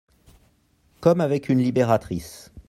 Comme avec une libératrice.